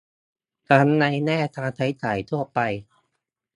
ส่วนในแง่การใช้จ่ายทั่วไป